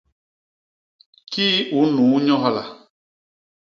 Kii u nnuu nyo hala?.